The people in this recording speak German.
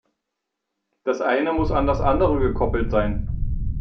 Das eine muss an das andere gekoppelt sein.